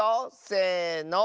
せの。